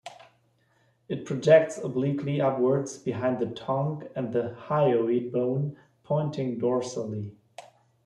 It projects obliquely upwards behind the tongue and the hyoid bone, pointing dorsally.